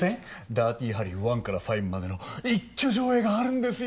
「ダーティハリー」１から５までの一挙上映があるんですよ。